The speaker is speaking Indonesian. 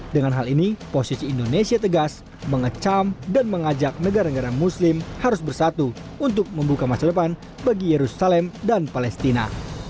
dengan hal ini posisi indonesia tegas mengecam dan mengajak negara negara muslim harus bersatu untuk membuka masa depan bagi yerusalem dan palestina